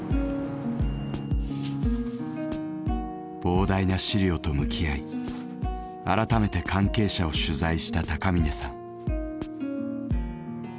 膨大な資料と向き合い改めて関係者を取材した高峰さん。